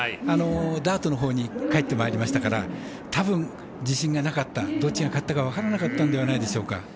ダートのほうに帰ってまいりましたからたぶん、自信がなかったどっちが勝ったか分からなかったんでは